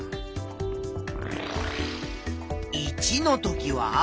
２のときは。